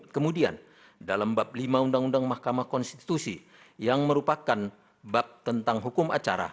kemudian dalam bab lima undang undang mahkamah konstitusi yang merupakan bab tentang hukum acara